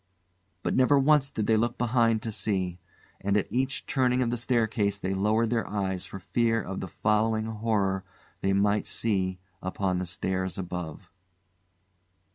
But never once did they look behind to see; and at each turning of the staircase they lowered their eyes for fear of the following horror they might see upon the stairs above.